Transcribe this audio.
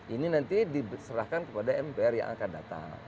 ini nanti diserahkan kepada mpr yang akan datang